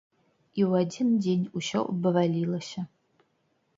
І ў адзін дзень усё абвалілася!